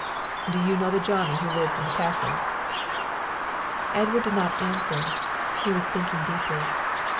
Do you know the Johnny who lives in the castle?" Edward did not answer; he was thinking deeply.